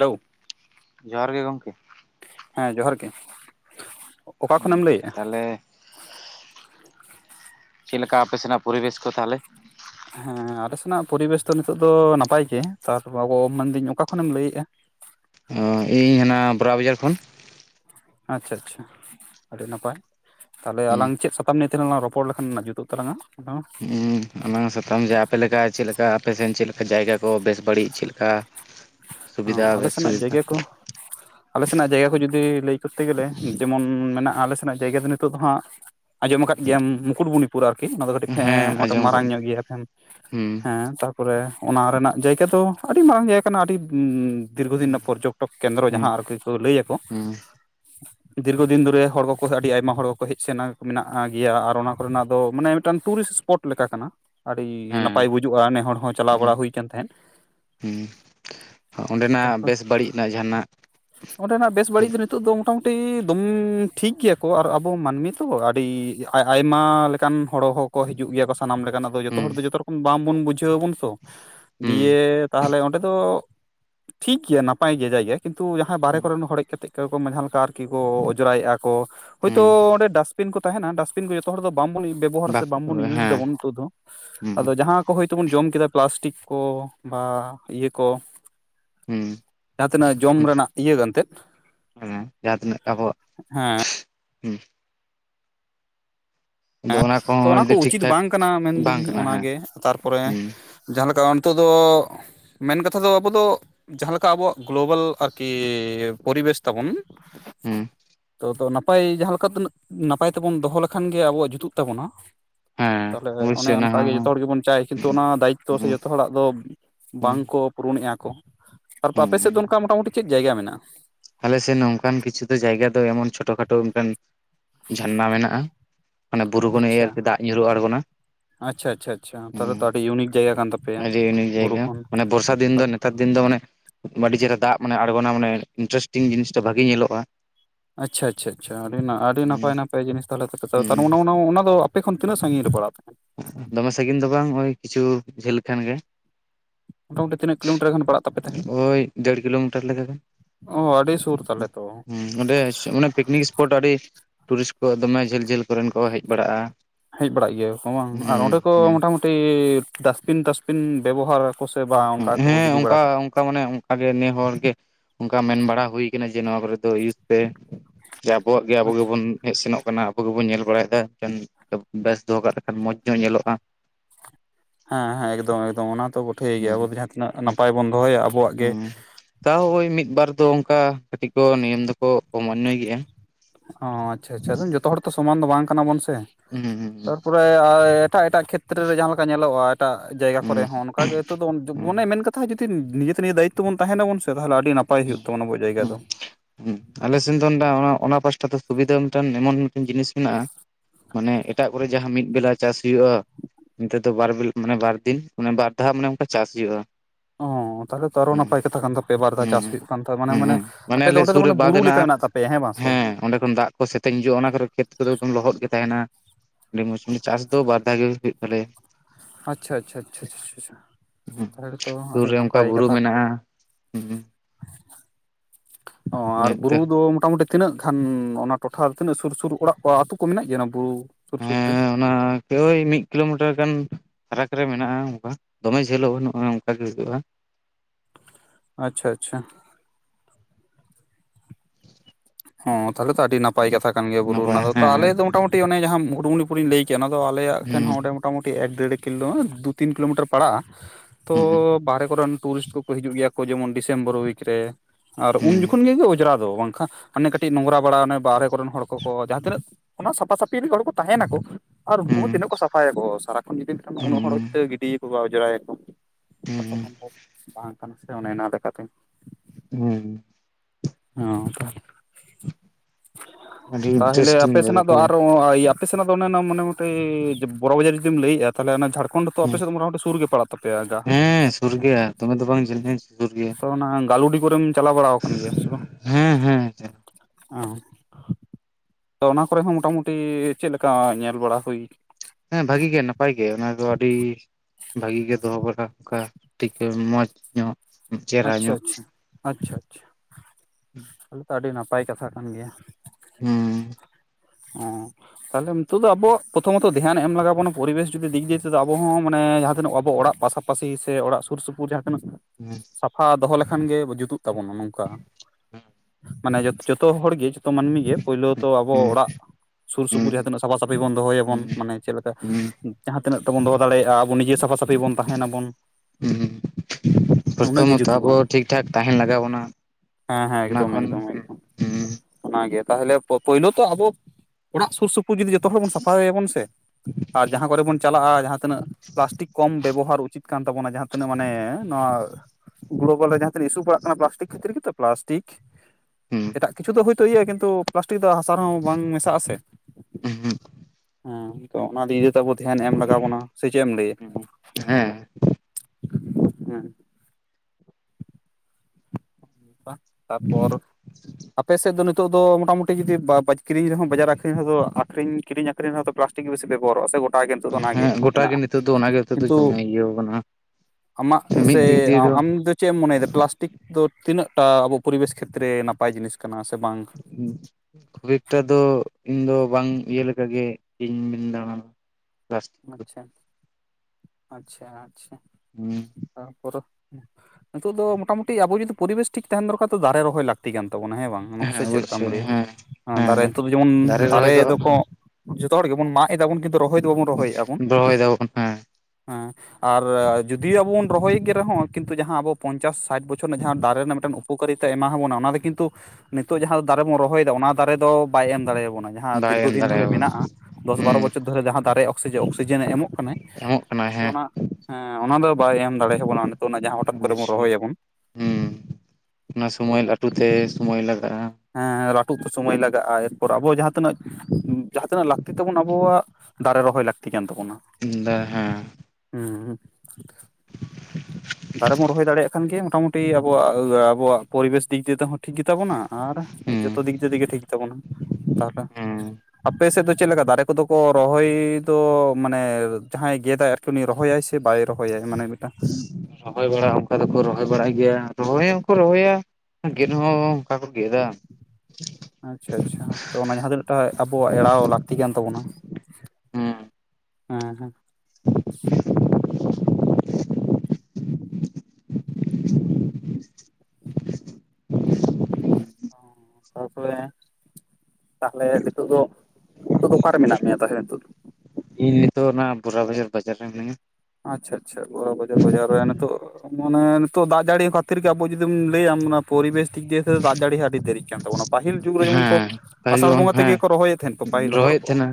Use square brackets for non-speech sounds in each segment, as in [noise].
Hello ᱡᱚᱦᱟᱨ ᱜᱮ ᱜᱚᱢᱠᱮ᱾ ᱦᱮᱸ ᱡᱚᱦᱟᱨ ᱜᱮ, ᱚᱠᱟ ᱦᱮᱸ ᱠᱷᱚᱱᱮᱢ ᱞᱟᱹᱭᱮᱜᱼᱟ? ᱛᱟᱦᱚᱞᱮ ᱪᱮᱫ ᱞᱮᱠᱟ ᱟᱯᱮ ᱥᱮᱱᱟᱜ ᱯᱚᱨᱤᱵᱮᱥ ᱠᱚ ᱛᱟᱦᱚᱞᱮ? [inaudible] ᱦᱮᱸ, ᱟᱞᱮ ᱥᱮᱱᱟᱜ ᱯᱚᱨᱤᱵᱮᱥ ᱫᱚ ᱱᱤᱛᱚᱜ ᱫᱚ ᱱᱟᱯᱟᱭ ᱜᱮ ᱛᱟᱨ ᱵᱟᱵᱚ [inaudible] ᱢᱮᱱᱫᱟᱹᱧ ᱚᱠᱟ ᱠᱷᱚᱱᱮᱢ ᱞᱟᱹᱭᱮᱫᱼᱟ? ᱟᱸ ᱤᱧ ᱦᱟᱱᱟ ᱵᱨᱟᱣᱡᱟᱨ ᱠᱷᱚᱱ᱾ ᱟᱪᱪᱷᱟ ᱟᱪᱪᱷᱟ, ᱟᱹᱰᱤ ᱱᱟᱯᱟᱭ ᱛᱟᱦᱚᱞᱮ ᱦᱩᱸ ᱟᱞᱟᱝ ᱪᱮᱫ ᱥᱟᱯ [inaudible] [unintelligible] ᱱᱤᱛ ᱛᱮᱞᱟᱝ ᱨᱚᱯᱚᱲ ᱞᱮᱠᱷᱟᱱ ᱡᱩᱛᱩᱜ ᱛᱟᱞᱟᱝᱼᱟ? ᱦᱮᱸ ᱚᱱᱟ ᱥᱟᱛᱟᱢ ᱡᱟ ᱟᱯᱮ ᱞᱮᱠᱟ ᱪᱮᱫ ᱞᱮᱠᱟ ᱟᱯᱮᱥᱮᱱ ᱪᱮᱫ ᱞᱮᱠᱟ ᱡᱟᱭᱜᱟ ᱠᱚ ᱵᱮᱥ ᱵᱟᱹᱲᱤᱡ ᱪᱮᱫ ᱞᱮᱠᱟ? ᱚ ᱥᱩᱵᱤᱫᱷᱟ ᱟᱞᱮ ᱵᱮᱥ ᱥᱮᱱᱟᱜ ᱥᱩᱵᱤᱫᱷᱟ ᱡᱟᱭᱜᱟ ᱠᱚ, ᱟᱞᱮ ᱥᱮᱱᱟᱜ ᱡᱟᱭᱜᱟ ᱠᱚ ᱡᱩᱫᱤ ᱞᱟᱹᱭ ᱠᱚᱨᱛᱮ ᱜᱮᱞᱮ ᱡᱮᱢᱚᱱ ᱢᱮᱱᱟᱜᱼᱟ ᱟᱞᱮ ᱥᱮᱱᱟᱜ ᱡᱟᱭᱜᱟ ᱫᱚ ᱱᱤᱛᱚᱜ ᱫᱚ ᱦᱟᱸᱜ, ᱟᱸᱡᱚᱢ ᱟᱠᱟᱫ ᱜᱮᱭᱟᱢ ᱢᱩᱠᱩᱴᱢᱩᱱᱤᱯᱩᱨ ᱟᱨᱠᱤ ᱚᱱᱟ ᱫᱚ ᱦᱮᱸ ᱠᱟᱹᱴᱤᱡ ᱟᱸᱡᱚᱢ ᱟᱠᱟᱫ ᱢᱟᱨᱟᱝ ᱧᱚᱜ ᱜᱤᱭᱟᱹᱧ ᱜᱮᱭᱟ ᱾ [inaudible] ᱦᱩᱸ ᱦᱮᱸ ᱛᱟᱯᱚᱨᱮ ᱚᱱᱟ ᱨᱮᱱᱟᱜ ᱡᱟᱭᱜᱟ ᱫᱚ ᱟᱹᱰᱤ ᱢᱟᱨᱟᱝ ᱡᱟᱭᱜᱟ ᱠᱟᱱᱟ ᱟᱹᱰᱤ ᱫᱤᱨᱜᱷᱚ ᱫᱤᱱ ᱨᱮᱱᱟᱜ ᱯᱚᱨᱡᱚᱴᱚᱠ ᱠᱮᱱᱫᱨᱚ ᱦᱩᱸ ᱡᱟᱦᱟᱸ ᱟᱨᱠᱤ ᱠᱚ ᱞᱟᱹᱭᱟᱠᱚ᱾ ᱦᱩᱸ ᱫᱤᱨᱜᱷᱚ ᱫᱤᱱ ᱫᱷᱚᱨᱮ ᱦᱚᱲ ᱠᱚ ᱟᱹᱰᱤ ᱟᱭᱢᱟ ᱦᱚᱲ ᱠᱚᱠᱚ ᱦᱮᱡ ᱥᱮᱱ ᱢᱮᱱᱟᱜ ᱜᱮᱭᱟ ᱟᱨ ᱚᱱᱟ ᱠᱚᱨᱮᱱᱟᱜ ᱫᱚ ᱢᱟᱱᱮ ᱢᱤᱫᱴᱟᱝ ᱴᱩᱨᱤᱥᱴ ᱥᱯᱚᱴ ᱞᱮᱠᱟ ᱠᱟᱱᱟ ᱟᱹᱰᱤ ᱦᱮᱸ ᱱᱟᱯᱟᱭ ᱵᱩᱡᱩᱜᱼᱟ ᱱᱮ ᱦᱚᱲ ᱦᱚᱸ ᱪᱟᱞᱟᱣ ᱵᱟᱲᱟ ᱦᱩᱭ ᱟᱠᱟᱱ ᱛᱟᱦᱮᱸᱫ᱾ ᱦᱮᱸ ᱚᱸᱰᱮᱱᱟᱜ ᱛᱟᱨᱯᱚᱨ ᱵᱮᱥ ᱵᱟᱹᱲᱤᱡ ᱨᱮᱱᱟᱜ ᱡᱟᱦᱟᱱᱟᱜ? ᱚᱸᱰᱮᱱᱟᱜ ᱵᱮᱥ ᱦᱩᱸ ᱵᱟᱹᱲᱤᱡ ᱫᱚ ᱱᱤᱛᱚᱜ ᱫᱚ ᱢᱳᱚᱴᱟᱢᱩᱴᱤ ᱫᱚᱢ ᱴᱷᱤᱠ ᱜᱮᱭᱟ ᱠᱚ ᱟᱨ ᱟᱵᱚ ᱢᱟᱹᱱᱢᱤ ᱛᱚ ᱟᱹᱰᱤ ᱟᱭᱢᱟ ᱞᱮᱠᱟᱱ ᱦᱚᱲᱚ ᱦᱚᱸᱠᱚ ᱦᱤᱡᱩᱜ ᱜᱮᱭᱟ ᱠᱚ ᱥᱟᱱᱟ ᱞᱮᱠᱟᱱ ᱟᱫᱚ ᱡᱚᱛᱚ ᱦᱚᱲ ᱫᱚ ᱡᱚᱛᱚ ᱨᱚᱠᱚᱢ ᱵᱟᱝᱵᱚᱱ ᱵᱩᱡᱷᱟᱹᱣ ᱵᱚᱱ ᱥᱚ ᱦᱩᱸ ᱫᱤᱭᱮ ᱛᱟᱦᱚᱞᱮ ᱚᱸᱰᱮ ᱫᱚ ᱴᱷᱤᱠᱜᱮᱭᱟ ᱱᱟᱯᱟᱭ ᱜᱮᱭᱟ ᱡᱟᱭᱜᱟ ᱠᱤᱱᱛᱩ ᱡᱟᱦᱟᱸᱭ ᱵᱟᱨᱦᱮ ᱠᱚᱨᱮᱱ ᱦᱚᱲ ᱦᱮᱡ ᱠᱟᱛᱮᱜ, [unintelligible] ᱠᱚ ᱢᱟᱡᱷᱟ ᱞᱮᱠᱟ ᱟᱨᱠᱤ ᱠᱚ ᱚᱸᱡᱨᱟᱭᱮᱫᱼᱟ ᱠᱚ ᱦᱳᱭᱛᱳ ᱦᱩᱸ ᱚᱸᱰᱮ ᱰᱟᱥᱵᱤᱱ ᱠᱚ ᱛᱟᱦᱮᱱᱟ ᱰᱟᱥᱵᱤᱱ ᱠᱚ ᱡᱚᱛᱚ ᱦᱚᱲ ᱫᱚ ᱵᱟᱝᱵᱚᱱ ᱵᱮᱵᱚᱦᱟᱨᱟ ᱥᱮ ᱵᱟᱠ ᱵᱟᱝᱵᱚᱱ ᱤᱭᱩᱡᱽ ᱦᱮᱸ ᱮᱫᱟ ᱱᱤᱛᱚᱜ ᱫᱚ ᱟᱫᱚ ᱡᱟᱦᱟᱸ, ᱟᱠᱚ ᱦᱳᱭᱛᱳ ᱵᱚᱱ ᱡᱚᱢ ᱠᱮᱫᱟ ᱯᱞᱟᱥᱴᱤᱠ ᱠᱚ ᱵᱟ ᱤᱭᱟᱹ ᱠᱚ ᱦᱮᱸ, ᱡᱟᱦᱟᱸ ᱛᱤᱱᱟᱹᱜ ᱡᱚᱢ ᱨᱮᱱᱟᱜ ᱤᱭᱟᱹ ᱠᱟᱱᱛᱮᱫ ᱦᱮᱸ ᱡᱟᱦᱟᱸ ᱛᱤᱱᱟᱹᱜ ᱟᱵᱚᱭᱟᱜ, ᱦᱮᱸ [inaudible] ᱦᱮᱸ, ᱟᱫᱚ ᱦᱮᱸ ᱛᱚ ᱠᱚᱦᱚᱸ ᱚᱱᱟ ᱠᱚ ᱡᱩᱫᱤ ᱴᱷᱤᱠ ᱩᱪᱤᱛ ᱴᱷᱟᱠ ᱵᱟᱝ ᱠᱟᱱᱟ ᱵᱟᱝ ᱢᱮᱱᱫᱟᱹᱧ ᱠᱟᱱᱟ ᱦᱮᱸ ᱚᱱᱟᱜᱮ ᱛᱟᱨᱯᱚᱨᱮ ᱦᱩᱸ ᱡᱟᱦᱟᱸ ᱞᱮᱠᱟ ᱱᱤᱛᱚᱜ ᱫᱚ ᱢᱮᱱ ᱠᱟᱛᱷᱟ ᱫᱚ ᱟᱵᱚ ᱫᱚ ᱡᱟᱦᱟᱸ ᱞᱮᱠᱟ ᱟᱵᱚᱣᱟᱜ ᱜᱞᱳᱵᱟᱞ ᱟᱨᱠᱤ ᱯᱚᱨᱤᱵᱮᱥ ᱛᱟᱵᱚᱱ, ᱦᱩᱸ, ᱛᱚ ᱱᱟᱯᱟᱭ ᱡᱟᱦᱟᱸ ᱞᱮᱠᱟ ᱛᱤᱱᱟᱸᱜ ᱱᱟᱯᱟᱭ ᱛᱮᱵᱚᱱ ᱫᱚᱦᱚᱸ ᱞᱮᱠᱷᱟᱱ ᱜᱮ ᱟᱵᱚᱣᱟᱜ ᱡᱩᱛᱩᱜ ᱛᱟᱵᱚᱱᱟ᱾ ᱦᱮᱸ ᱛᱟᱦᱚᱞᱮ ᱚᱱᱮ ᱚᱵᱚᱥᱥᱳᱭ ᱚᱱᱟ ᱚᱱᱠᱟ ᱜᱮ ᱡᱚᱛᱚ ᱦᱚᱸ ᱦᱚᱲ ᱜᱮᱵᱩᱱ ᱪᱟᱭ ᱠᱤᱱᱛᱩ ᱚᱱᱟ ᱫᱟᱭᱤᱛᱼᱛᱚ ᱥᱮ ᱡᱚᱛᱚ ᱦᱚᱲᱟᱜ ᱫᱚ ᱵᱟᱝᱠᱚ ᱯᱩᱨᱩᱱᱮᱜᱼᱟ ᱠᱚ ᱛᱟᱨᱯᱚᱨ ᱟᱯᱮ ᱥᱮᱫ ᱫᱚ ᱚᱱᱠᱟ ᱢᱚᱴᱟᱢᱩᱴᱤ ᱪᱮᱫ ᱡᱟᱭᱜᱟ ᱢᱮᱱᱟᱜᱼᱟ? ᱟᱞᱮᱥᱱ ᱱᱚᱝᱠᱟᱱ ᱠᱤᱪᱷᱩ ᱫᱚ ᱡᱟᱭᱜᱟ ᱫᱚ ᱮᱢᱚᱱ ᱪᱷᱳᱴᱳ ᱠᱷᱟᱴᱳ ᱢᱤᱫ ᱴᱟᱱ ᱡᱷᱟᱨᱱᱟ ᱢᱮᱱᱟᱜᱼᱟ᱾ ᱢᱟᱱᱮ ᱵᱩᱨᱩ ᱵᱚᱱᱮᱭ ᱟᱪᱪᱷᱟ ᱫᱟᱜ ᱧᱩᱨᱩᱜ ᱟᱬᱜᱚᱱᱟ᱾ ᱟᱪᱪᱷᱟ ᱟᱪᱪᱷᱟ ᱟᱪᱪᱷᱟ ᱦᱩᱸ ᱛᱟᱦᱚᱞᱮ ᱛᱚ ᱟᱹᱰᱤ ᱤᱭᱩᱱᱤᱠ ᱡᱟᱭᱜᱟ ᱠᱟᱱ ᱛᱟᱯᱮᱭᱟ ᱟᱼᱡᱮᱭᱱᱤ ᱵᱩᱨᱩ ᱡᱟᱭᱜᱟ ᱠᱷᱚᱱ ᱢᱟᱱᱮ ᱵᱚᱨᱥᱟ ᱫᱤᱱ ᱫᱚ ᱱᱮᱛᱟᱨ ᱫᱤᱱ ᱫᱚ ᱢᱟᱱᱮ ᱟᱹᱰᱤ ᱪᱮᱦᱨᱟ ᱫᱟᱜ ᱢᱟᱱᱮ ᱟᱬᱜᱚᱱᱟ ᱢᱟᱱᱮ ᱤᱱᱴᱟᱨᱮᱥᱴᱤᱝ ᱡᱤᱱᱤᱥᱴᱟ ᱵᱷᱟᱜᱤ ᱧᱮᱞᱚᱜᱼᱟ᱾ ᱟᱪᱪᱷᱟ ᱟᱪᱪᱷᱟ ᱟᱷᱟᱼ ᱟᱹᱰᱤᱼᱟᱰᱤ ᱦᱩᱸ ᱱᱟᱯᱟᱭ ᱱᱟᱯᱟᱭ ᱡᱤᱱᱤᱥ ᱛᱟᱦᱚᱞᱮ ᱛᱮᱯᱮ ᱦᱩᱸ ᱛᱚᱞᱮ ᱚᱱᱟᱼᱚᱱᱟ ᱚᱱᱟ ᱫᱚ ᱟᱯᱮ ᱠᱷᱚᱱ ᱛᱤᱱᱟᱹᱜ ᱥᱟᱺᱜᱤᱧ ᱨᱮ ᱯᱟᱲᱟᱣ ᱫᱚᱢᱮ ᱥᱟᱺᱜᱤᱧ ᱫᱚ ᱵᱟᱝ ᱳᱭ ᱠᱤᱪᱷᱩ ᱡᱷᱟᱹᱞ ᱠᱷᱟᱱ ᱜᱮ᱾ ᱢᱳᱴᱟᱢᱩᱴᱤ ᱛᱤᱱᱟᱹᱜ ᱠᱤᱞᱳᱢᱤᱴᱟᱨ ᱜᱟᱱ ᱯᱟᱲᱟᱜ ᱛᱟᱼᱯᱮ ᱛᱟᱦᱮᱱ? ᱳᱭ ᱰᱮᱲ ᱠᱤᱞᱳᱢᱤᱴᱟᱨ ᱞᱮᱠᱟ ᱜᱟᱱ ᱚᱻ ᱟᱹᱰᱤ ᱥᱩᱨ ᱛᱟᱞᱮ ᱛᱚ᱾ ᱦᱩᱸ ᱚᱸᱰᱮ ᱢᱟᱱᱮ ᱯᱤᱠᱱᱤᱠ ᱥᱯᱚᱴ ᱟᱹᱰᱤ ᱴᱩᱨᱤᱥᱴ ᱠᱩ ᱫᱚᱢᱮ ᱡᱷᱟᱹᱞᱼᱡᱷᱟᱹᱞ ᱠᱚᱨᱮᱱ ᱠᱚ ᱦᱮᱡ ᱵᱟᱲᱟᱜᱼᱟ᱾ ᱦᱮᱡ ᱵᱟᱲᱟᱜ ᱜᱮᱭᱟ ᱠᱚ ᱵᱟᱝ ᱟᱨ ᱦᱩᱸ ᱚᱸᱰᱮ ᱠᱚ ᱦᱩᱸ ᱢᱚᱴᱟᱢᱩᱴᱤ ᱰᱟᱥᱵᱤᱱ ᱛᱟᱥᱵᱤᱱ ᱵᱮᱵᱚᱦᱟᱨ ᱠᱚ ᱥᱮ ᱵᱟᱝ ᱚᱱᱠᱟ ᱠᱚ ᱦᱮᱸ ᱜᱤᱰᱤ ᱵᱟᱲᱟ ᱠᱟᱜ᱾ ᱚᱱᱠᱟ ᱚᱱᱠᱟ ᱢᱟᱱᱮ ᱚᱱᱠᱟᱜᱮ ᱱᱮ ᱦᱚᱲ ᱜᱮ ᱚᱱᱠᱟ ᱢᱮᱱ ᱵᱟᱲᱟ ᱦᱩᱭ ᱠᱟᱱᱟ ᱡᱮ ᱱᱚᱣᱟ ᱠᱚᱨᱮ ᱫᱚ ᱤᱭᱩᱡᱽ ᱯᱮ᱾ ᱡᱮ ᱟᱵᱚᱣᱟᱜ ᱜᱮ ᱟᱵᱚ ᱜᱮᱵᱩᱱ ᱦᱮᱡ ᱥᱮᱱᱚᱜ ᱠᱟᱱᱟ ᱟᱵᱩ ᱜᱮᱵᱩᱱ ᱧᱮᱞ ᱵᱟᱲᱟᱭᱼᱫᱟ ᱠᱮᱱ ᱵᱮᱥ ᱫᱚᱦᱚ ᱠᱟᱜ ᱞᱮᱠᱷᱟᱱ ᱢᱚᱸᱡᱽ ᱧᱚᱜ ᱧᱮᱞᱚᱜᱼᱟ᱾ ᱦᱮᱸ ᱦᱮᱸ ᱮᱠᱫᱚᱢ ᱮᱠᱫᱚᱢ ᱚᱱᱟ ᱛᱚ ᱵᱚᱴᱷᱟᱹᱭ ᱜᱮ ᱟᱵᱩ ᱦᱩᱸ ᱫᱚ ᱡᱟᱦᱟᱸ ᱛᱤᱱᱟᱹᱜ ᱦᱩᱸ ᱱᱟᱯᱟᱭ ᱵᱚᱱ ᱫᱚᱦᱚᱭᱟ ᱟᱵᱚᱣᱟᱜ ᱜᱮ ᱦᱩᱸ ᱛᱟᱣ ᱳᱭ ᱢᱤᱫ ᱵᱟᱨ ᱫᱚ ᱚᱝᱠᱟ ᱠᱟᱹᱴᱤᱡ ᱠᱚ ᱱᱤᱭᱚᱢ ᱫᱚ ᱠᱚ ᱚᱢᱟᱱᱱᱚᱭ ᱜᱮᱭᱟ, ᱚ ᱟᱪᱪᱷᱟ ᱟᱪᱪᱷᱟ ᱡᱚᱛᱚ ᱦᱚᱲ ᱛᱚ ᱥᱚᱢᱟᱱ ᱫᱚ ᱵᱟᱝ ᱠᱟᱱᱟ ᱵᱚᱱ ᱥᱮ? ᱦᱩᱸ ᱩ ᱦᱩᱸ᱾ ᱛᱟᱨ ᱯᱚᱨᱮ ᱟ ᱮᱴᱟᱜ ᱮᱴᱟᱜ ᱠᱷᱮᱛᱨᱮ ᱨᱮ ᱡᱟᱦᱟᱸ ᱞᱮᱠᱟ ᱧᱮᱞᱚᱜᱼᱟ ᱮᱴᱟᱜ ᱡᱟᱭᱜᱟ ᱠᱚᱨᱮ ᱦᱚᱸ ᱚᱱᱠᱟ ᱜᱮ ᱱᱤᱛᱚᱜ ᱫᱚ ᱢᱚᱱᱮ ᱢᱮᱱ ᱠᱟᱛᱷᱟ ᱡᱩᱫᱤ ᱱᱤᱡᱟᱹ ᱛᱮ ᱱᱤᱡᱟᱹ ᱫᱟᱭᱤᱛᱼᱛᱚ ᱵᱚᱱ ᱛᱟᱦᱮᱸᱱᱟᱵᱚᱱ ᱥᱮ ᱛᱟᱦᱚᱞᱮ ᱟᱰᱤ ᱱᱟᱯᱟᱭ ᱦᱩᱭᱩᱜ ᱛᱟᱵᱱᱟ ᱟᱵᱩᱣᱟᱜ ᱡᱟᱭᱜᱟ ᱫᱚ᱾ ᱩᱸ ᱟᱞᱮ ᱥᱮᱱ ᱫᱚ ᱚᱱᱟ ᱯᱟᱥᱴᱟ ᱫᱚ ᱥᱩᱵᱤᱫᱷᱟ ᱢᱤᱫᱴᱟᱱ ᱮᱢᱚᱱ ᱢᱤᱫᱴᱮᱱ ᱡᱤᱱᱤᱥ ᱢᱮᱱᱟᱜᱼᱟ ᱢᱟᱱᱮ ᱮᱴᱟᱜ ᱠᱚᱨᱮ ᱡᱟᱦᱟᱸ ᱢᱤᱫ ᱵᱮᱞᱟ ᱪᱟᱥ ᱦᱩᱭᱩᱜᱼᱟ, ᱱᱮᱛᱟᱨ ᱫᱚ ᱵᱟᱨ ᱵᱤᱞ ᱢᱟᱱᱮ ᱵᱟᱨ ᱫᱤᱱ ᱢᱟᱱᱮ ᱵᱟᱨ ᱫᱷᱟᱣ ᱢᱟᱱᱮ ᱚᱝᱠᱟ ᱪᱟᱥ ᱦᱩᱭᱩᱜᱼᱟ᱾ ᱚ ᱛᱟᱦᱞᱮ ᱛᱚ ᱟᱨᱚ ᱦᱩᱸ ᱱᱟᱯᱟᱭ ᱠᱟᱛᱷᱟ ᱠᱟᱱ ᱛᱟ ᱯᱮ ᱵᱟᱨ ᱫᱷᱟᱣ ᱪᱟᱥ ᱦᱩᱸ ᱦᱩᱭᱩᱜ ᱠᱟᱱ ᱛᱟ ᱢᱟᱱᱮ ᱢᱟᱱᱮ ᱦᱩᱸ ᱟᱯᱮ ᱫᱚ ᱟᱞᱮ ᱚᱸᱰᱮ ᱥᱩᱨ ᱫᱚ ᱨᱮ ᱢᱟᱱᱮ ᱵᱟᱸᱫ ᱵᱩᱨᱩ ᱞᱮᱠᱟ ᱦᱮᱱᱟᱜᱼᱟ ᱢᱮᱱᱟᱜ ᱛᱟᱯᱮᱭᱟ ᱦᱮᱸ ᱵᱟᱝ ᱥᱮ? ᱚᱸᱰᱮ ᱠᱷᱚᱱ ᱫᱟᱜ ᱠᱚ ᱥᱮᱛᱮᱧ ᱦᱤᱡᱩᱜᱼᱟ, ᱚᱱᱟ ᱠᱚᱨᱮ ᱠᱷᱮᱛ ᱠᱚᱫᱚ ᱞᱚᱦᱚᱫ ᱜᱮ ᱛᱟᱦᱮᱸᱱᱟ᱾ ᱟᱹᱰᱤ ᱢᱚᱸᱡ ᱢᱟᱱᱮ ᱪᱟᱥ ᱫᱚ ᱵᱟᱨᱫᱷᱟᱣ ᱜᱮ ᱦᱩᱭᱩᱜ ᱛᱟᱞᱮᱭᱟ᱾ ᱟᱪᱪᱷᱟ ᱪᱷᱟ ᱪᱷᱟ ᱪᱷᱟ᱾ ᱛᱟᱦᱚᱞᱮ ᱱᱤᱛᱚᱜ ᱦᱚᱸ ᱥᱩᱨ ᱟᱹᱰᱤ ᱨᱮ ᱚᱱᱠᱟ ᱱᱟᱯᱟᱭ ᱵᱩᱨᱩ ᱠᱟᱛᱷᱟ᱾ ᱢᱮᱱᱟᱜᱼᱟ ᱚ ᱟᱨ ᱧᱮᱞ ᱛᱮ ᱵᱩᱨᱩ ᱫᱚ ᱢᱚᱴᱟᱼᱢᱩᱴᱤ ᱛᱤᱱᱟᱹᱜ ᱠᱷᱟᱱ ᱚᱱᱟ ᱴᱚᱴᱷᱟ ᱛᱤᱱᱟᱹᱜ ᱥᱩᱨ ᱥᱩᱨ ᱚᱲᱟᱜ ᱠᱚ ᱟᱹᱛᱩ ᱠᱚ ᱢᱮᱱᱟᱜ ᱜᱮᱭᱟ ᱚᱱᱟ ᱵᱩᱨᱩ ᱥᱩᱨ ᱥᱩᱨ ᱛᱮ? ᱦᱮᱸ ᱚᱱᱟ ᱠᱮ ᱳᱭ ᱢᱤᱫ ᱠᱤᱞᱳᱢᱤᱴᱟᱨ ᱜᱟᱱ ᱯᱷᱟᱨᱟᱠ ᱨᱮ ᱢᱮᱱᱟᱜᱼᱟ ᱚᱝᱠᱟ ᱫᱚᱢᱮ ᱡᱷᱟᱹᱞᱚᱜ ᱵᱟᱹᱱᱩᱜᱼᱚᱭ ᱚᱱᱠᱟ ᱜᱮ ᱦᱩᱭᱩᱜᱼᱟ᱾ ᱟᱪᱪᱷᱟ ᱟᱪᱪᱷᱟ᱾ ᱦᱚᱸ ᱛᱟᱦᱚᱞᱮ ᱫᱚ ᱟᱰᱤ ᱱᱟᱯᱟᱭ ᱠᱟᱛᱷᱟ ᱠᱟᱱ ᱜᱮᱭᱟ ᱵᱩᱨᱩ ᱱᱟᱯᱟᱭ ᱨᱮᱱᱟᱜ ᱫᱚ ᱛᱚ ᱦᱮᱸ ᱟᱞᱮ ᱫᱚ ᱢᱚᱴᱟᱢᱩᱴᱤ ᱚᱱᱮ ᱡᱟᱦᱟᱸ ᱢᱩᱴᱩᱠᱢᱩᱱᱤ ᱯᱚᱨᱤᱧ ᱞᱟᱹᱭ ᱠᱮᱜᱼᱟ ᱚᱱᱟ ᱫᱚ ᱟᱞᱮ ᱭᱟᱜ ᱴᱷᱮᱱ ᱦᱩᱸ ᱦᱚᱸ ᱚᱸᱰᱮ ᱢᱳᱴᱟᱢᱩᱴᱤ ᱮᱠ, ᱰᱮᱲ, ᱠᱤᱞᱳ ᱫᱩ, ᱛᱤᱱ ᱠᱤᱞᱳᱢᱤᱴᱟᱨ ᱯᱟᱲᱟᱜᱼᱟ, ᱛᱚ ᱦᱩᱸ ᱵᱟᱦᱨᱮ ᱠᱚᱨᱮᱱ ᱴᱩᱨᱤᱥᱴ ᱠᱚᱼᱠᱚ ᱦᱤᱡᱩᱜ ᱜᱮᱭᱟ ᱠᱚ ᱡᱮᱢᱚᱱ ᱰᱤᱥᱮᱢᱵᱚᱨ ᱩᱭᱤᱠ ᱨᱮ, ᱟᱨ ᱩᱱ ᱦᱩᱸ ᱡᱚᱠᱷᱚᱱ ᱜᱮ ᱚᱸᱡᱨᱟ ᱫᱚ ᱵᱟᱝ ᱠᱷᱟᱱ ᱦᱟᱸᱱᱮ ᱠᱟᱹᱴᱤᱡ ᱱᱚᱝᱨᱟ ᱵᱟᱲᱟ ᱚᱱᱮ ᱵᱟᱦᱨᱮ ᱠᱚᱨᱮᱱ ᱦᱚᱲ ᱠᱚ ᱠᱚ ᱡᱟᱦᱟᱸ ᱛᱤᱱᱟᱹᱜ ᱚᱱᱟ ᱥᱟᱯᱟ ᱥᱟᱯᱤ ᱨᱮᱱ ᱦᱚᱲ ᱠᱚ ᱛᱟᱦᱮᱸᱱᱟᱠᱚ, ᱟᱨ ᱩᱱᱠᱩ ᱦᱚᱸ ᱛᱤᱱᱟᱹᱜ ᱠᱩ ᱥᱟᱯᱷᱟᱭᱟ ᱠᱚ ᱥᱟᱨᱟ ᱠᱷᱚᱱ ᱡᱩᱫᱤ ᱢᱤᱫᱴᱱ ᱦᱩᱸ ᱩᱱᱟᱹᱜ ᱦᱚᱲ ᱦᱩᱸ ᱦᱮᱡ ᱠᱟᱛᱮᱹ ᱜᱤᱰᱤᱭᱟᱠᱚ ᱵᱟ ᱚᱡᱽᱨᱟᱭᱟ ᱠᱚ᱾ ᱥᱟᱯᱷᱟ ᱦᱩᱸ ᱥᱚᱢᱵᱷᱚᱵ ᱵᱟᱝ ᱠᱟᱱᱟ ᱥᱮ ᱚᱱᱮ ᱚᱱᱟ ᱞᱮᱠᱟ ᱛᱮ ᱦᱩᱸ᱾ ᱦᱚᱸ ᱛᱟᱦᱞᱮ, ᱟᱹᱰᱤ ᱛᱟᱦᱞᱮ ᱤᱱᱴᱟᱨᱮᱥᱴᱤᱝ ᱟᱯᱮ ᱡᱟᱭᱜᱟ ᱥᱮᱱᱟᱜ ᱫᱚ ᱛᱚᱵᱮ ᱟᱨᱚ ᱤᱭᱟᱹ ᱟᱯᱮ ᱥᱮᱱᱟᱜ ᱫᱚ ᱚᱱᱮ ᱚᱱᱟ ᱢᱚᱱᱮᱢᱩᱴᱤ ᱡᱮ ᱵᱚᱨᱚ ᱵᱟᱡᱟᱨ ᱡᱩᱫᱤᱢ ᱞᱟᱹᱭᱮᱜᱼᱟ ᱛᱟᱦᱞᱮ ᱚᱱᱟ ᱡᱷᱟᱲᱠᱷᱚᱸᱰ ᱛᱚ ᱟᱯᱮᱥᱮᱫ ᱢᱟᱴᱟᱢᱴᱤ ᱥᱩᱨ ᱨᱮ ᱜᱮ ᱯᱟᱲᱟᱜ ᱛᱟᱯᱮᱭᱟ ᱜᱟ᱾ ᱦᱮᱸ ᱥᱩᱨ ᱜᱮᱭᱟ ᱫᱚᱢᱮ ᱫᱚ ᱵᱟᱝ ᱡᱷᱟᱞ [inaudible] ᱛᱚ ᱚᱱᱟ ᱜᱟᱞᱩᱰᱤ ᱠᱚᱨᱮᱢ ᱪᱟᱞᱟᱣ ᱵᱟᱲᱟ ᱟᱠᱟᱱ ᱜᱮᱭᱟ ᱥᱮ ᱵᱟᱝ? ᱦᱮᱸ ᱦᱮᱸ ᱚ ᱛᱚ ᱚᱱᱟ ᱠᱚᱨᱮ ᱦᱚᱸ ᱢᱟᱴᱟᱢᱩᱴᱤ ᱪᱮᱫ ᱞᱮᱠᱟ ᱧᱮᱞ ᱵᱟᱲᱟ ᱦᱩᱭ ᱦᱮᱸ ᱵᱷᱟᱜᱤ ᱜᱮ ᱱᱟᱯᱟᱭ ᱜᱮ ᱚᱱᱟ ᱫᱚ ᱟᱰᱤ ᱵᱷᱟᱜᱤ ᱜᱮ ᱫᱚᱦᱚ ᱵᱟᱲᱟ ᱚᱝᱠᱟ ᱴᱷᱤᱠᱟᱹ ᱢᱚᱸᱡᱽ ᱧᱚᱜ ᱪᱮᱦᱨᱟ ᱟᱪᱪᱷᱟ ᱧᱚᱜ ᱟᱪᱪᱷᱟ ᱟᱪᱪᱷᱟ ᱟᱪᱪᱷᱟ ᱛᱟᱦᱚᱞᱮ ᱛᱚ ᱟᱹᱰᱤ ᱱᱟᱯᱟᱭ ᱠᱟᱛᱷᱟ ᱠᱟᱱ ᱜᱮᱭᱟ᱾ ᱦᱩᱸ᱾ ᱚᱸ᱾ ᱛᱟᱦᱚᱞᱮ ᱱᱤᱛᱚᱜ ᱫᱚ ᱟᱵᱚ ᱯᱨᱚᱛᱷᱚᱢᱚᱛᱚ ᱫᱷᱮᱭᱟᱱ ᱮᱢ ᱞᱟᱜᱟ ᱟᱵᱚᱱᱟ ᱯᱚᱨᱤᱵᱮᱥ ᱡᱩᱫᱤ ᱫᱤᱠ ᱫᱤᱭᱮ ᱛᱮᱫᱚ ᱟᱵᱚ ᱦᱚᱸ ᱢᱟᱱᱮ ᱡᱟᱦᱟᱸ ᱛᱤᱱᱟᱹᱜ ᱟᱵᱚ ᱚᱲᱟᱜ ᱯᱟᱥᱟ ᱯᱟᱥᱤ ᱥᱮ ᱚᱲᱟᱜ ᱥᱩᱨ ᱥᱩᱯᱩᱨ ᱡᱟᱦᱟᱸ ᱛᱤᱱᱟᱹᱜ ᱦᱮᱸ [inaudible] ᱥᱟᱯᱷᱟ ᱫᱚᱦᱚ ᱞᱮᱠᱷᱟᱱ ᱜᱮ ᱡᱩᱛᱩᱜ ᱛᱟᱵᱚᱱᱟ ᱱᱚᱝᱠᱟ, ᱢᱟᱱᱮ ᱡᱚᱛᱚ ᱦᱚᱲ ᱜᱮ ᱛᱚ ᱢᱟᱹᱱᱢᱤ ᱜᱮ ᱯᱳᱭᱞᱳ ᱛᱚ ᱟᱵᱚ ᱚᱲᱟᱜ ᱥᱩᱨ ᱥᱩᱯᱩᱨ ᱡᱟᱦᱟᱸ ᱦᱩᱸ ᱛᱤᱱᱟᱹᱜ ᱥᱟᱯᱷᱟ ᱥᱟᱹᱯᱷᱤ ᱵᱚᱱ ᱫᱚᱦᱚᱭᱟᱵᱚᱱ ᱦᱩᱸ ᱢᱟᱱᱮ ᱪᱮᱫ ᱞᱮᱠᱟ ᱦᱩᱸ ᱡᱟᱦᱟᱸ ᱛᱤᱱᱟᱹᱜ ᱛᱮᱵᱚᱱ ᱫᱚᱦᱚ ᱫᱟᱲᱮᱭᱟᱜᱼᱟ ᱟᱵᱚ ᱱᱤᱡᱮ ᱥᱟᱯᱷᱟ ᱥᱟᱯᱷᱤ ᱵᱚᱱ ᱛᱟᱦᱮᱸᱱᱟᱵᱚᱱ᱾ ᱦᱩᱸ ᱜᱮ ᱯᱨᱚᱛᱷᱚᱢᱚᱛᱚ ᱟᱵᱚ ᱡᱩᱛᱩᱜᱼᱟ ᱴᱷᱤᱠ ᱴᱷᱟᱠ ᱛᱟᱦᱮᱱ ᱞᱟᱜᱟᱣ ᱵᱚᱱᱟ ᱦᱮᱸ ᱦᱮᱸ ᱚᱱᱟ ᱮᱠᱫᱚᱢ ᱠᱷᱚᱱ ᱮᱠᱫᱚᱢ ᱮᱠᱫᱚᱢ ᱩᱸ ᱚᱱᱟᱜᱮ ᱛᱟᱦᱚᱞᱮ ᱯᱳᱭᱞᱳ ᱛᱚ ᱟᱵᱚ ᱚᱲᱟᱜ ᱥᱩᱨ ᱥᱩᱯᱩᱨ ᱡᱩᱫᱤ ᱡᱚᱛᱚ ᱦᱚᱲ ᱵᱚᱱ ᱥᱟᱯᱷᱟᱭᱟᱵᱚᱱ ᱥᱮ ᱟᱨ ᱡᱟᱦᱟᱸ ᱠᱚᱨᱮ ᱵᱚᱱ ᱪᱟᱞᱟᱜᱼᱟ ᱡᱟᱦᱟᱸ ᱛᱤᱱᱟᱹᱜ ᱯᱞᱟᱥᱴᱤᱠ ᱠᱚᱢ ᱵᱮᱵᱚᱦᱟᱨ ᱩᱪᱤᱛ ᱠᱟᱱ ᱛᱟᱵᱚᱱᱟ ᱡᱟᱦᱟᱸ ᱛᱤᱱᱟᱹᱜ ᱢᱟᱱᱮ ᱱᱚᱣᱟ ᱜᱳᱞᱳᱵᱟᱞ ᱨᱮ ᱡᱟᱦᱟᱸ ᱛᱤᱱᱟᱹᱜ ᱤᱥᱩ ᱯᱟᱲᱟᱜ ᱠᱟᱱᱟ ᱯᱞᱟᱥᱴᱤᱠ ᱠᱷᱟᱹᱛᱤᱨ ᱜᱮᱛᱚ ᱯᱞᱟᱥ ᱴᱤᱠ ᱮᱴᱟᱜ ᱠᱤᱪᱷᱩ ᱫᱚ ᱦᱚᱭᱛᱳ ᱤᱭᱟᱹ ᱠᱤᱱᱛᱩ ᱯᱞᱟᱥᱴᱤᱠ ᱫᱚ ᱦᱟᱥᱟ ᱨᱮᱦᱚᱸ ᱵᱟᱝ ᱢᱮᱥᱟᱜ ᱟᱥᱮ ᱦᱚᱸ ᱛᱚ ᱚᱱᱟ ᱫᱤᱠ ᱛᱮ ᱟᱵᱚ ᱫᱷᱮᱭᱟᱱ ᱮᱢ ᱞᱟᱜᱟᱣ ᱟᱵᱚᱱᱟ ᱥᱮ ᱪᱮᱫ ᱮᱢ ᱞᱟᱹᱭᱟ ᱦᱮᱸ ᱦᱮᱸ ᱛᱟᱨᱯᱚᱨ ᱟᱯᱮᱥᱮᱫ ᱫᱚ ᱱᱤᱛᱚᱜ ᱫᱚ ᱢᱚᱴᱟᱢᱩᱴᱤ ᱡᱩᱫᱤ ᱠᱤᱨᱤᱧ ᱨᱮᱦᱚᱸ ᱵᱟᱡᱟᱨ ᱟᱠᱷᱨᱤᱧ ᱨᱮᱦᱚᱸ ᱟᱠᱷᱨᱤᱧ ᱠᱤᱨᱤᱧ ᱟᱹᱠᱷᱨᱤᱧ ᱨᱮᱦᱚᱸ ᱛᱚ ᱯᱞᱟᱥᱴᱤᱠ ᱵᱤᱥᱤ ᱵᱮᱵᱚᱦᱟᱨᱚᱜᱼᱟ ᱥᱮ ᱜᱚᱴᱟ ᱜᱮ ᱱᱤᱛᱚᱜ ᱫᱚ ᱚᱱᱟᱜᱮ ᱦᱮᱸ ᱜᱚᱴᱟ ᱜᱮ ᱢᱮᱱᱟᱜᱼᱟ ᱱᱤᱛᱚᱜ ᱫᱚ ᱚᱱᱟᱜᱮ ᱱᱤᱛᱚᱜ ᱫᱚ ᱠᱤᱱᱛᱩ ᱫᱚᱢᱮ ᱤᱭᱟᱹᱣ ᱠᱟᱱᱟ ᱟᱢᱟᱜ ᱢᱤᱫ ᱥᱮ ᱫᱤᱠ ᱫᱤᱭᱮ ᱫᱚ ᱟᱢᱫᱚ ᱪᱮᱫ ᱮᱢ ᱢᱚᱱᱮᱭᱮᱫᱟ ᱯᱞᱟᱥᱴᱤᱠ ᱫᱚ ᱛᱤᱱᱟᱹᱜᱴᱟ ᱟᱵᱚ ᱯᱚᱨᱤᱵᱮᱥ ᱠᱷᱮᱛᱨᱮ ᱱᱟᱯᱟᱭ ᱡᱤᱱᱤᱥ ᱠᱟᱱᱟ ᱥᱮ ᱵᱟᱝ ᱦᱩᱸ ᱠᱷᱩᱵ ᱮᱠᱴᱟ ᱫᱚ ᱤᱧ ᱫᱚ ᱵᱟᱝ ᱤᱭᱟᱹ ᱞᱮᱠᱟ ᱜᱮ ᱤᱧ ᱢᱮᱱᱫᱟ ᱡᱟᱥᱛᱤ ᱟᱪᱪᱷᱟ ᱟᱪᱪᱷᱟ ᱟᱪᱪᱷᱟ ᱦᱩᱸ ᱛᱟᱯᱚᱨᱮ ᱱᱤᱛᱳᱜ ᱫᱚ ᱢᱚᱴᱟᱢᱩᱴᱤ ᱟᱵᱚ ᱡᱩᱫᱤ ᱯᱚᱨᱤᱵᱮᱥ ᱴᱷᱤᱠ ᱛᱟᱦᱮᱱ ᱫᱚᱠᱟᱨ ᱛᱚ ᱫᱟᱨᱮ ᱨᱚᱦᱚᱭ ᱞᱟᱠᱛᱤ ᱠᱟᱱ ᱛᱟᱵᱚᱱᱟ ᱦᱮᱸ ᱵᱟᱝ। ᱥᱮ ᱪᱮᱫ ᱞᱮᱠᱟᱢ ᱚᱵᱚᱥᱥᱳᱭ ᱞᱟᱹᱭᱟ ᱦᱮᱸ ᱫᱟᱨᱮ ᱦᱮᱸ ᱱᱤᱛᱚᱜ ᱫᱚ ᱡᱮᱢᱚᱱ ᱨᱚᱦᱚᱭ ᱫᱚ ᱫᱟᱨᱮ ᱫᱚᱠᱚ ᱡᱷᱚᱛᱚ ᱦᱚᱲ ᱜᱮᱵᱚᱱ ᱢᱟᱜ ᱮᱫᱟᱵᱚᱱ ᱠᱤᱱᱛᱩ ᱨᱚᱦᱚᱭ ᱫᱚ ᱵᱟᱵᱚᱱ ᱨᱚᱦᱚᱭ ᱫᱚᱦᱚᱭ ᱫᱟᱵᱚᱱ ᱦᱮᱸ। ᱦᱮᱸ। ᱟᱨ ᱡᱩᱫᱤ ᱟᱵᱚ ᱵᱚᱱ ᱨᱚᱦᱚᱭᱮᱫ ᱜᱮ ᱨᱮᱦᱚᱸ ᱠᱤᱱᱛᱩ ᱡᱟᱦᱟᱸ ᱟᱵᱚ ᱯᱚᱧᱪᱟᱥ ᱥᱟᱴ ᱵᱚᱪᱷᱚᱨ ᱨᱮᱱᱟᱜ ᱡᱟᱦᱟᱸ ᱫᱟᱨᱮ ᱨᱮᱱᱟᱜ ᱢᱤᱫᱴᱟᱝ ᱩᱯᱚᱠᱟᱨᱤᱛᱟ ᱮᱢᱟ ᱦᱟᱵᱚᱱᱟ ᱚᱱᱟ ᱫᱚ ᱠᱤᱱᱛᱩ ᱱᱤᱛᱚᱜ ᱡᱟᱦᱟᱸ ᱫᱟᱨᱮ ᱵᱚᱱ ᱨᱚᱦᱚᱭᱮᱫᱟ ᱚᱱᱟ ᱫᱟᱨᱮ ᱫᱚ ᱵᱟᱭ ᱮᱢ ᱫᱟᱲᱮᱭᱟᱵᱚᱱᱟᱭ। ᱡᱟᱦᱟᱸ ᱵᱟᱭ ᱫᱤᱨᱜᱷᱚ ᱮᱢ ᱫᱤᱱ ᱫᱷᱚᱨᱮ ᱫᱟᱲᱮᱭᱟᱵᱚᱱᱟ ᱢᱮᱱᱟᱜᱼᱟ ᱫᱚᱥ ᱵᱟᱨᱚ ᱦᱮᱸ ᱵᱚᱪᱷᱚᱨ ᱫᱷᱚᱨᱮ ᱡᱟᱦᱟᱸ ᱫᱟᱨᱮ ᱚᱠᱥᱤᱡᱮ ᱚᱠᱥᱤᱡᱮᱱ ᱮᱢᱚᱜ ᱠᱟᱱᱟᱭ ᱮᱢᱚᱜ ᱠᱟᱱᱟᱭ ᱥᱮ ᱦᱮᱸ ᱚᱱᱟ ᱮᱸ ᱚᱱᱟ ᱫᱚ ᱵᱟᱭ ᱮᱢ ᱫᱟᱲᱮᱭᱟᱵᱚᱱᱟ ᱱᱤᱛᱚᱜ ᱡᱟᱦᱟᱸ ᱦᱚᱴᱟᱛ ᱠᱚᱨᱮ ᱵᱚᱱ ᱨᱚᱦᱚᱭᱟᱵᱚᱱ। ᱦᱩᱸ ᱚᱱᱟ ᱥᱚᱢᱚᱭ ᱞᱟᱹᱴᱩ ᱛᱮ ᱥᱚᱢᱚᱭ ᱞᱟᱜᱟᱜᱼᱟ। ᱦᱮᱸ ᱞᱟᱹᱴᱩᱛᱮ ᱥᱚᱢᱚᱭ ᱞᱟᱜᱟᱜᱼᱟ ᱮᱨᱯᱚᱨ ᱟᱵᱚ ᱡᱟᱦᱟᱸ ᱛᱤᱱᱟᱹᱜ ᱡᱟᱦᱟᱸ ᱛᱤᱱᱟᱹᱜ ᱞᱟᱹᱠᱛᱤ ᱛᱟᱵᱚᱱ ᱟᱵᱚᱣᱟᱜ ᱫᱟᱨᱮ ᱨᱚᱦᱚᱭ ᱞᱟᱹᱠᱛᱤ ᱠᱟᱱ ᱛᱟᱵᱚᱱᱟ। ᱫᱚ ᱦᱮᱸ। ᱦᱩᱸ। [unintelligible] ᱫᱟᱨᱮ ᱵᱚᱱ ᱨᱚᱦᱚᱭ ᱫᱟᱲᱮᱭᱟᱜ ᱠᱷᱟᱱᱜᱮ ᱢᱚᱴᱟᱢᱩᱴᱤ ᱟᱵᱚᱣᱟᱜ ᱟᱵᱚᱣᱟᱜ ᱯᱚᱨᱤᱵᱮᱥ ᱫᱤᱠ ᱫᱤᱭᱮ ᱛᱮᱦᱚᱸ ᱴᱷᱤᱠ ᱜᱮᱛᱟᱵᱚᱱᱟ ᱟᱨ ᱡᱚᱛᱚ ᱫᱤᱠ ᱫᱤᱭᱮ ᱛᱮᱜᱮ ᱴᱷᱤᱠ ᱛᱟᱵᱚᱱᱟ ᱛᱟᱞᱦᱮ ᱦᱮᱸ ᱟᱯᱮ ᱥᱮᱫ ᱫᱚ ᱪᱮᱫ ᱞᱮᱠᱟ ᱫᱟᱨᱮ ᱠᱚᱫᱚ ᱠᱚ ᱨᱚᱦᱚᱭ ᱫᱚ ᱢᱟᱱᱮ ᱡᱟᱦᱟᱸᱭ ᱜᱮᱫᱟᱭ ᱩᱱᱤ ᱨᱚᱦᱚᱭᱟᱭ ᱥᱮ ᱵᱟᱭ ᱨᱚᱦᱚᱭᱟᱭ ᱢᱟᱱᱮ ᱢᱤᱫᱴᱟᱝ ᱨᱚᱦᱚᱭ ᱵᱟᱲᱟ ᱚᱱᱠᱟ ᱫᱚᱠᱚ ᱨᱚᱦᱚᱭ ᱨᱚᱦᱚᱭ ᱵᱟᱲᱟ ᱜᱮᱭᱟ ᱨᱚᱦᱚᱭ ᱦᱚᱸᱠᱚ ᱨᱚᱦᱚᱭᱟ ᱜᱮᱫ ᱦᱚᱸ ᱚᱱᱠᱟ ᱠᱚ ᱜᱮᱫᱟ ᱟᱪᱪᱷᱟ ᱟᱪᱪᱷᱟ ᱛᱚ ᱚᱱᱟ ᱡᱟᱦᱟᱸ ᱛᱤᱱᱟᱹᱜ ᱛᱚ ᱟᱵᱚᱣᱟᱜ ᱮᱲᱟᱣ ᱞᱟᱹᱠᱛᱤ ᱠᱟᱱ ᱛᱟᱵᱚᱱᱟ ᱦᱮᱸ ᱦᱮᱸ ᱦᱮᱸ। [inaudible] ᱚᱸᱻ ᱛᱟᱨᱯᱚᱨᱮ ᱛᱟᱦᱚᱞᱮ ᱱᱤᱛᱚᱜ ᱫᱚ ᱱᱤᱛᱚᱜ ᱫᱚ ᱚᱠᱟᱨᱮ ᱢᱮᱱᱟᱜ ᱢᱮᱭᱟ ᱛᱟᱦᱞᱮ ᱱᱤᱛᱚᱜ ᱫᱚ? ᱤᱧ ᱱᱤᱛᱚᱜ ᱚᱱᱟ ᱵᱚᱨᱟᱼᱵᱟᱡᱟᱨ ᱵᱟᱡᱟᱨ ᱨᱮ ᱢᱤᱱᱟᱹᱧᱟ᱾ ᱟᱪᱪᱷᱟ ᱟᱪᱪᱷᱟ ᱵᱚᱨᱟᱼᱵᱟᱡᱟᱨ ᱵᱟᱡᱟᱨ ᱨᱮ ᱱᱤᱛᱚᱜ ᱢᱟᱱᱮ ᱱᱤᱛᱚᱜ ᱫᱟᱜ ᱡᱟᱹᱲᱤ ᱠᱷᱟᱹᱛᱤᱨ ᱜᱮ ᱟᱵᱚ ᱡᱩᱫᱤᱢ ᱞᱟᱹᱭᱟᱢ ᱚᱱᱟ ᱯᱚᱨᱤᱵᱮᱥ ᱫᱤᱠ ᱫᱤᱭᱮ ᱛᱮᱫᱚ ᱫᱟᱜ ᱡᱟᱲᱤ ᱦᱚᱸ ᱟᱹᱰᱤ ᱫᱮᱨᱤᱜ ᱠᱟᱱ ᱛᱟᱵᱚᱱᱟ ᱾ ᱯᱟᱹᱦᱤᱞ ᱡᱩᱜᱽ ᱨᱮ ᱡᱮᱢᱚᱱ ᱠᱚ ᱦᱮᱸ ᱯᱟᱹᱦᱤᱞ ᱟᱥᱟᱲ ᱡᱮᱢᱚᱱ ᱵᱚᱸᱜᱟ ᱦᱮᱸ ᱛᱮᱜᱮ ᱠᱚ ᱨᱚᱦᱚᱭᱮᱫ ᱛᱟᱦᱮᱸᱱ ᱠᱚ ᱯᱟᱹᱦᱤᱞ ᱦᱚᱲ ᱨᱚᱦᱚᱭᱮᱫ ᱠᱚ᱾ ᱛᱟᱦᱮᱱᱟ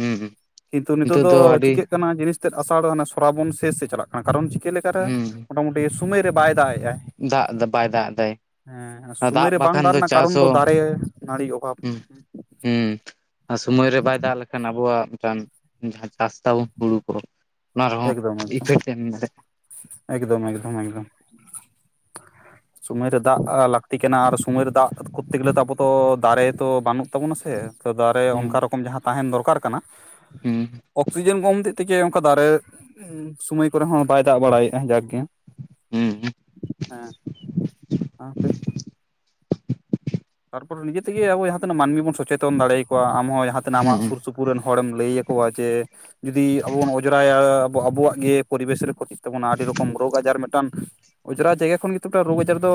ᱦᱮᱸ ᱠᱤᱱᱛᱩ ᱱᱤᱛᱚᱜ ᱫᱚᱻ ᱫᱚ ᱟᱹᱰᱤ ᱪᱤᱠᱟᱹ ᱠᱟᱱᱟ ᱡᱤᱱᱤᱥ ᱛᱮᱫ ᱟᱥᱟᱲ ᱚᱱᱟ ᱥᱨᱟᱵᱚᱱ ᱥᱮᱥ ᱥᱮᱫ ᱪᱟᱞᱟᱜ ᱠᱟᱱᱟ ᱠᱟᱨᱚᱱ ᱪᱤᱠᱟᱹ ᱞᱮᱠᱟ ᱨᱮ ᱦᱮᱸ ᱢᱚᱴᱟᱢᱩᱴᱤ ᱥᱩᱢᱟᱹᱭ ᱨᱮ ᱵᱟᱭ ᱫᱟᱜᱮᱜᱼᱟᱭ᱾ ᱫᱟᱜ ᱫᱚ ᱵᱟᱭ ᱫᱟᱜ ᱮᱫᱟᱭ᱾ ᱦᱮᱸ ᱥᱩᱢᱟᱹᱭ ᱨᱮ ᱵᱟᱝ ᱵᱟᱠᱷᱟᱱ ᱫᱟᱜ ᱨᱮᱱᱟᱜ ᱠᱟᱨᱚᱱ ᱪᱟᱥ ᱫᱚ ᱦᱚᱸ ᱫᱟᱨᱮ ᱱᱟᱹᱲᱤ ᱚᱵᱷᱟᱵᱽ ᱦᱩᱸ ᱦᱩᱸ ᱥᱩᱢᱳᱭ ᱨᱮ ᱵᱟᱭ ᱫᱟᱜ ᱞᱮᱠᱷᱟᱱ ᱟᱵᱚᱣᱟᱜ ᱢᱤᱫᱴᱟᱱ ᱡᱟᱦᱟᱸ ᱪᱟᱥ ᱛᱟᱵᱚᱱ ᱦᱩᱲᱩ ᱠᱚ ᱚᱱᱟ ᱨᱮᱦᱚᱸ ᱮᱠᱫᱚᱢ ᱮᱠᱫᱚᱢ, ᱤᱯᱷᱮᱠᱴ ᱮᱢ ᱫᱟᱲᱮᱭᱟᱜᱼᱟ ᱮᱠᱫᱚᱢ ᱮᱠᱫᱚᱢ ᱮᱠᱫᱚᱢ᱾ ᱥᱩᱢᱟᱹᱭ ᱨᱮ ᱫᱟᱜ ᱞᱟᱹᱠᱛᱤ ᱠᱟᱱᱟ ᱟᱨ ᱥᱩᱢᱟᱹᱭ ᱨᱮ ᱫᱟᱜ ᱠᱚᱨᱛᱮ ᱜᱮᱞᱮ ᱛᱚ ᱟᱵᱚ ᱛᱚ ᱫᱟᱨᱮ ᱛᱚ ᱵᱟᱹᱱᱩᱜ ᱛᱟᱵᱚᱱᱟ ᱥᱮ᱾ ᱛᱚ ᱫᱟᱨᱮ ᱦᱩᱸ ᱚᱱᱠᱟ ᱨᱚᱠᱚᱢ ᱡᱟᱦᱟᱸ ᱛᱟᱦᱮᱱ ᱫᱚᱨᱠᱟᱨ ᱠᱟᱱᱟ ᱾ ᱦᱩᱸ᱾ ᱚᱠᱥᱤᱡᱮᱱ ᱠᱚᱢ ᱦᱚᱛᱮᱡ ᱛᱮᱜᱮ ᱚᱱᱠᱟ ᱫᱟᱨᱮ ᱥᱩᱢᱟᱹᱭ ᱠᱚᱨᱮ ᱦᱚᱸ ᱵᱟᱭ ᱫᱟᱜ ᱵᱟᱲᱟᱭᱮᱫᱼᱟ ᱡᱟᱠ ᱜᱮ᱾ ᱦᱩᱸᱻ᱾ ᱦᱮᱸ᱾ ᱟᱯᱮ? ᱛᱟᱨᱯᱚᱨ ᱱᱤᱡᱮ ᱛᱮᱜᱮ ᱟᱵᱚ ᱡᱟᱦᱟᱸ ᱛᱤᱱᱟᱹᱜ ᱢᱟᱹᱱᱢᱤ ᱵᱚᱱ ᱥᱚᱪᱮᱛᱚᱱ ᱫᱟᱲᱮᱭᱟᱠᱚᱣᱟ ᱟᱢ ᱦᱚᱸ ᱡᱟᱦᱟᱸ ᱛᱱᱟᱹ ᱟᱢᱟᱜ ᱦᱩᱸ ᱥᱩᱨ ᱥᱩᱯᱩᱨ ᱠᱩ ᱨᱮᱱ ᱦᱚᱲᱮᱢ ᱞᱟᱹᱭ ᱟᱠᱚᱣᱟ ᱡᱮ ᱡᱩᱫᱤ ᱟᱵᱚ ᱵᱚᱱ ᱚᱸᱡᱽᱨᱟᱭᱟ ᱟᱵᱚᱼᱟᱵᱚᱣᱟᱜ ᱜᱮ ᱯᱚᱨᱤᱵᱮᱥ ᱨᱮ ᱠᱷᱚᱛᱤᱜ ᱛᱟᱵᱚᱱᱟ᱾ ᱟᱹᱰᱤ ᱨᱚᱠᱚᱢ ᱨᱳᱜᱽ ᱟᱡᱟᱨ ᱢᱤᱫᱴᱟᱱ ᱚᱸᱡᱽᱨᱟ ᱡᱟᱭᱜᱟ ᱠᱷᱚᱱ ᱜᱮᱛᱚ ᱢᱤᱫᱴᱟᱝ ᱨᱳᱜᱽ ᱟᱡᱟᱨ ᱫᱚ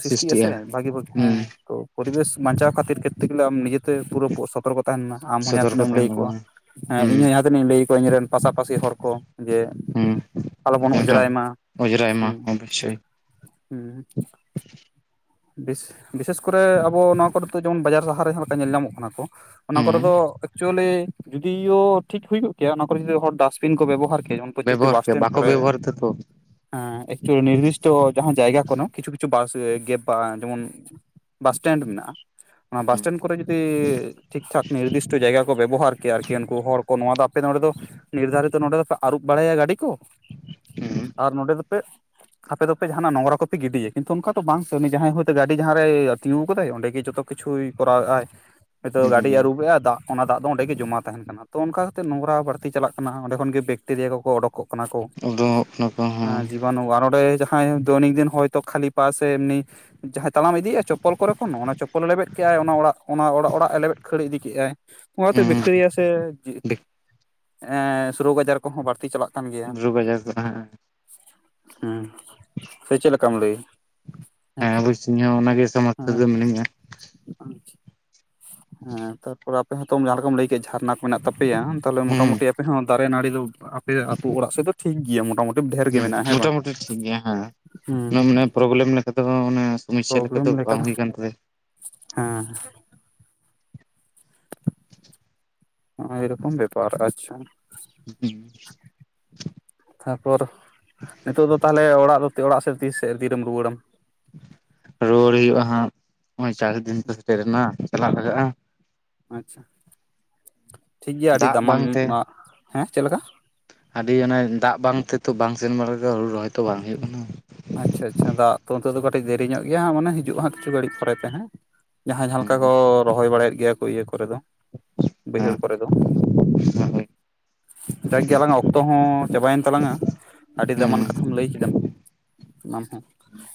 ᱥᱨᱤᱥᱴᱤᱜᱼᱟ ᱥᱮ᱾ ᱵᱷᱟᱹᱜᱤ ᱵᱷᱟᱹᱜᱤ ᱦᱩᱸ ᱦᱮᱸ ᱠᱚ ᱯᱚᱨᱤᱵᱮᱥ ᱵᱟᱧᱪᱟᱣ ᱠᱷᱟᱹᱛᱤᱨ ᱠᱮᱨᱛᱮ ᱜᱮᱞᱮ ᱟᱢ ᱱᱤᱡᱮᱛᱮ ᱯᱩᱨᱟᱹ ᱥᱚᱛᱚᱨᱠᱚ ᱛᱟᱦᱮᱱ ᱢᱮ᱾ ᱟᱢ ᱦᱚᱸ ᱡᱟᱦᱟᱸ ᱥᱚᱛᱚᱨᱠᱚ ᱛᱤᱱᱟᱹᱜ ᱮᱢ ᱛᱟᱦᱮᱱ ᱞᱟᱹᱭ ᱟᱠᱚᱣᱟ᱾ ᱞᱟᱜᱟᱣᱟ ᱦᱮᱸ ᱦᱩᱸ ᱤᱧᱦᱚᱸ ᱡᱟᱦᱟᱸ ᱛᱤᱱᱟᱹᱜ ᱤᱧ ᱞᱟᱹᱭ ᱟᱠᱚᱣᱟ, ᱤᱧ ᱨᱮᱱ ᱯᱟᱥᱟᱯᱟᱥᱤ ᱦᱚᱲ ᱠᱚ ᱡᱮ ᱦᱩᱸ ᱟᱞᱚ ᱵᱚᱱ ᱢᱤᱫᱴᱟᱝ ᱚᱸᱡᱽᱨᱟᱭ ᱢᱟ ᱚᱡᱽᱨᱟᱭ ᱢᱟ ᱦᱩᱸ ᱚᱵᱚᱥᱥᱳᱭ ᱦᱩᱸ᱾ [inaudible] ᱵᱮᱥ ᱵᱤᱥᱮᱹᱥ ᱠᱚᱨᱮ ᱟᱵᱚ ᱱᱚᱣᱟ ᱠᱚᱨᱮ ᱫᱚ ᱡᱮᱢᱚᱱ ᱵᱟᱡᱟᱨ ᱥᱟᱦᱟᱨ ᱨᱮ ᱡᱟᱦᱟᱸ ᱞᱮᱠᱟ ᱧᱮᱞ ᱧᱟᱢᱚᱜ ᱠᱟᱱᱟ ᱠᱚ᱾ ᱚᱱᱟ ᱠᱚᱨᱮ ᱦᱩᱸ ᱫᱚ ᱮᱠᱪᱩᱭᱮᱞᱤ ᱡᱩᱫᱤᱼᱭᱳ ᱴᱷᱤᱠ ᱦᱩᱭ ᱠᱚᱜ ᱠᱮᱭᱟ, ᱚᱱᱟ ᱠᱚᱨᱮ ᱡᱩᱫᱤ ᱦᱚᱲ ᱰᱟᱥ ᱵᱤᱱ ᱠᱚ ᱵᱮᱵᱚᱦᱟᱨ ᱠᱮᱭᱟ, ᱡᱮᱢᱚᱱ ᱯᱚᱛᱛᱮᱠᱴᱤ ᱵᱮᱵᱚᱦᱟᱨ ᱠᱮ ᱵᱟᱥᱴᱮᱱᱰ ᱵᱟᱠᱚ ᱠᱚᱨᱮ᱾ ᱵᱮᱵᱚᱦᱟᱨ ᱫᱟᱛᱚ ᱦᱮᱸ ᱮᱠᱪᱩᱭᱮᱞᱤ ᱱᱤᱨᱫᱤᱥᱴᱚ ᱡᱟᱦᱟᱸ ᱡᱟᱭᱜᱟ ᱠᱟᱱᱟ ᱠᱤᱪᱷᱩ ᱠᱤᱪᱷᱩ ᱵᱟᱥ ᱜᱮᱯ ᱵᱟ ᱡᱮᱢᱚᱱ ᱵᱟᱥ ᱴᱮᱱᱰ ᱢᱮᱱᱟᱜᱼᱟ᱾ ᱚᱱᱟ ᱵᱟᱥ ᱦᱩᱸ ᱴᱮᱱᱰ ᱠᱚᱨᱮ ᱡᱩᱫᱤ ᱴᱷᱤᱠ ᱴᱷᱟᱠ ᱱᱤᱨᱫᱤᱥᱴᱚ ᱡᱟᱭᱜᱟ ᱠᱚ ᱵᱮᱵᱚᱦᱟᱨ ᱠᱮᱭᱟ, ᱟᱨᱠᱤ ᱩᱱᱠᱩ ᱦᱚᱲ ᱠᱚ ᱱᱚᱣᱟ ᱫᱚ ᱟᱯᱮ ᱱᱚᱰᱮ ᱫᱚ ᱱᱤᱨᱫᱷᱟᱨᱤᱛᱚ ᱱᱚᱰᱮ ᱫᱚᱯᱮ ᱟᱹᱨᱩᱵ ᱵᱟᱲᱟᱭᱟ ᱜᱟᱹᱰᱤ ᱠᱚ᱾ ᱦᱩᱸ ᱟᱨ ᱱᱚᱰᱮ ᱫᱚᱯᱮ ᱟᱯᱮ ᱫᱚᱯᱮ ᱡᱟᱦᱟᱱᱟᱜ ᱱᱚᱝᱨᱟ ᱠᱚᱯᱮ ᱜᱤᱰᱤᱭᱟ᱾ ᱠᱤᱱᱛᱩ ᱚᱱᱠᱟ ᱫᱚ ᱵᱟᱝ ᱩᱱᱤ ᱡᱟᱦᱟᱸᱭ ᱦᱚᱭᱛᱳ ᱜᱟᱹᱰᱤ ᱡᱟᱦᱟᱸᱨᱮᱭ ᱛᱤᱸᱜᱩᱣ ᱠᱟᱫᱟᱭ᱾ ᱚᱸᱰᱮ ᱜᱮ ᱡᱚᱛᱚ ᱠᱤᱪᱷᱩᱭ ᱠᱚᱨᱟᱣᱮᱜᱼᱟᱭ᱾ ᱦᱚᱭᱛᱳ ᱜᱟᱹᱰᱤ ᱦᱩᱸ ᱟᱹᱨᱩᱵᱮᱜᱼᱟᱭ ᱫᱟᱜ ᱚᱱᱟ ᱫᱟᱜ ᱫᱚ ᱚᱸᱰᱮᱜ ᱜᱮ ᱡᱚᱢᱟ ᱛᱟᱦᱮᱱ ᱠᱟᱱᱟ, ᱛᱚ ᱚᱱᱠᱟᱛᱮᱫ ᱱᱚᱝᱨᱟ ᱵᱟᱹᱲᱛᱤ ᱪᱟᱞᱟᱜ ᱠᱟᱱᱟ ᱚᱸᱰᱮ ᱠᱷᱚᱱ ᱜᱮ ᱵᱮᱠᱴᱮᱨᱤᱭᱟ ᱠᱚᱠᱚ ᱚᱰᱠᱚᱜ ᱠᱟᱱᱟ ᱠᱚ ᱩᱰᱩᱝᱚᱜ ᱠᱟᱱᱟ ᱠᱚ ᱦᱚᱸ ᱡᱤᱵᱟᱱᱩ ᱟᱨ ᱱᱚᱰᱮ ᱡᱟᱦᱟᱸᱭ ᱫᱚᱭᱱᱤᱠ ᱫᱤᱱ ᱦᱚᱭᱛᱳ ᱠᱷᱟᱞᱤ ᱯᱟ ᱥᱮ ᱮᱢᱱᱤ ᱡᱟᱦᱟᱸᱭ ᱛᱟᱲᱟᱢ ᱤᱫᱤᱭᱮᱜᱼᱟᱭ ᱪᱚᱯᱯᱚᱞ ᱠᱚᱨᱮ ᱠᱷᱚᱱ ᱚᱱᱟ ᱪᱚᱯᱯᱚᱞᱮ ᱞᱮᱵᱮᱫ ᱠᱮᱫᱮᱜᱼᱟᱭ, ᱚᱱᱟ ᱚᱲᱟᱜ ᱚᱱᱟ ᱚᱲᱟᱜ ᱚᱲᱟᱜ ᱮ ᱞᱮᱵᱮᱫ ᱠᱷᱟᱹᱲ ᱤᱫᱤ ᱠᱮᱜᱼᱟᱭ ᱾ ᱚᱱᱟᱛᱮ ᱵᱮᱠᱴᱮᱨᱤᱭᱟ ᱥᱮ ᱦᱩᱸ ᱮᱸ ᱥᱮ ᱨᱳᱜᱽ ᱟᱡᱟᱨ ᱠᱚᱦᱚᱸ ᱵᱟᱹᱲᱛᱤ ᱪᱟᱞᱟᱜ ᱨᱳᱜᱽ ᱟᱡᱟᱨ ᱠᱚ ᱦᱮᱸ᱾ ᱦᱩᱸ, ᱥᱮ ᱪᱮᱫ ᱞᱮᱠᱟᱢ ᱞᱟᱹᱭᱟ? ᱦᱮᱸ ᱵᱩᱥ ᱤᱧ ᱦᱚᱸ ᱚᱱᱟᱹᱜᱮ ᱥᱚᱢᱚᱥᱛᱟ ᱨᱮ ᱫᱚ ᱢᱤᱱᱟᱹᱧᱟ ᱾ ᱟᱪᱪᱷᱟ, ᱦᱮᱸ ᱛᱟᱨᱯᱚᱨᱮ ᱟᱸᱯᱮ ᱦᱚᱸᱛᱚ ᱡᱟᱦᱟᱸ ᱞᱮᱠᱟᱸᱢ ᱞᱟᱹᱭ ᱡᱷᱟᱨᱱᱟ ᱠᱚ ᱢᱮᱱᱟᱜ ᱛᱟᱯᱮᱹᱭᱟ ᱛᱟᱦᱚᱞᱮ ᱢᱚᱴᱟ ᱦᱩᱸ ᱢᱩᱴᱤ ᱟᱯᱮ ᱦᱚᱸ ᱫᱟᱨᱮ ᱱᱟᱹᱲᱤ ᱫᱚ ᱟᱯᱮ ᱟᱹᱛᱩ ᱚᱲᱟᱜ ᱥᱮᱫ ᱫᱚ ᱴᱷᱤᱠ ᱜᱮᱹᱭᱟ ᱢᱚᱴᱟ ᱢᱩᱴᱤ ᱰᱷᱮᱨ ᱜᱮ ᱦᱩᱸ ᱢᱮᱱᱟᱜᱼᱟ ᱦᱮᱸ ᱵᱟᱝ ᱾ ᱢᱚᱴᱟᱢᱩᱴᱤ ᱴᱷᱤᱠ ᱜᱮᱭᱟ ᱦᱮᱸ ᱚᱱᱟ ᱢᱟᱱᱮ ᱯᱨᱚᱵᱞᱮᱢ ᱞᱮᱠᱟ ᱫᱚ ᱚᱱᱮ ᱥᱚᱢᱚᱥᱥᱟ ᱯᱨᱚᱵᱞᱮᱢ ᱞᱮᱠᱟ ᱵᱟᱝ ᱫᱚ ᱦᱩᱭ ᱠᱟᱱ ᱛᱟᱞᱮᱭᱟ ᱦᱮᱸ [inaudible] ᱦᱚᱸ ᱚᱭ ᱮᱨᱚᱠᱚᱢ ᱵᱮᱯᱟᱨ, ᱟᱪᱪᱷᱟ ᱾ ᱦᱩᱸ ᱾ [inaudible] ᱛᱟᱨᱯᱚᱨ ᱱᱤᱛᱚᱜ ᱫᱚ ᱛᱟᱦᱚᱞᱮ ᱚᱲᱟᱜ ᱫᱚ ᱚᱲᱟᱜ ᱥᱮᱫ ᱛᱤᱥ ᱥᱮᱫ ᱛᱤᱨᱮᱢ ᱨᱩᱣᱟᱹᱲᱟᱢ? ᱨᱩᱣᱟᱹᱲ ᱦᱩᱭᱩᱜᱼᱟᱹ ᱦᱟᱸᱜ ᱱᱚᱜᱼᱚᱭ ᱪᱟᱥ ᱫᱤᱱ ᱛᱚ ᱥᱮᱴᱮᱨᱮᱱᱟ ᱪᱟᱞᱟᱜ ᱞᱟᱜᱟᱜᱼᱟ ᱾ ᱟᱪᱪᱷᱟ, ᱴᱷᱤᱠ ᱜᱮᱭᱟ ᱟᱹᱰᱤ ᱫᱟᱜ ᱫᱟᱢᱟᱱ ᱵᱟᱝᱛᱮ ᱱᱟᱜ, ᱦᱮᱸ ᱪᱮᱫ ᱞᱮᱠᱟ? ᱟᱹᱰᱤ ᱚᱱᱮ ᱫᱟᱜ ᱵᱟᱝ ᱛᱮ ᱛᱚ ᱵᱟᱝ ᱥᱮᱱ ᱵᱟᱲᱟ [unintelligible] ᱦᱩᱲᱩ ᱨᱚᱦᱚᱭ ᱛᱚ ᱵᱟᱝ ᱦᱩᱭᱩᱜ ᱠᱟᱱᱟ ᱾ ᱟᱪᱪᱷᱟ ᱟᱪᱪᱷᱟ ᱫᱟᱜ ᱛᱟ ᱚᱱᱛᱮ ᱫᱚ ᱠᱟᱹᱴᱤᱡ ᱫᱮᱨᱤ ᱧᱚᱜ ᱜᱮᱭᱟ ᱢᱟᱱᱮ ᱦᱤᱡᱩᱜᱼᱟ ᱦᱟᱸᱜ ᱠᱤᱪᱷᱩ ᱜᱟᱹᱲᱤᱜ ᱯᱮᱨᱮ ᱛᱮ ᱦᱮᱸ ᱡᱟᱦᱟᱸᱭ ᱡᱟᱦᱟᱸ ᱦᱮᱸ ᱞᱮᱠᱟ ᱠᱚ ᱨᱚᱦᱚᱭ ᱵᱟᱲᱟᱭᱮᱫ ᱜᱮᱭᱟ ᱠᱚ ᱤᱭᱟᱹ ᱠᱚᱨᱮ ᱫᱚ ᱵᱟᱹᱭᱦᱟᱹᱲ ᱠᱚᱨᱮ ᱫᱚ, ᱦᱮᱸ ᱡᱟᱠ ᱜᱮ ᱟᱞᱟᱝᱼᱟ ᱚᱠᱛᱚ ᱦᱚᱸ ᱪᱟᱵᱟᱭᱮᱱ ᱛᱟᱞᱟᱝᱼᱟ ᱟᱹᱰᱤ ᱦᱮᱸ ᱫᱟᱢᱟᱱ ᱠᱟᱛᱷᱟᱢ ᱞᱟᱹᱭ ᱠᱮᱫᱟᱢ ᱮᱢᱟᱱ ᱦᱚᱸ,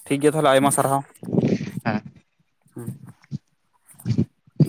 ᱴᱷᱤᱠ ᱜᱮᱭᱟ ᱛᱟᱦᱚᱞᱮ ᱟᱭᱢᱟ ᱥᱟᱨᱦᱟᱣ ᱾ ᱦᱮᱸ ᱾ ᱦᱢ ᱾ [inaudible]